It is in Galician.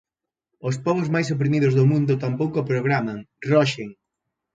Os pobos máis oprimidos do mundo tampouco programan, roxen;